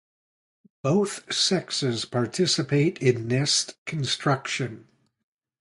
Both sexes participate in nest construction.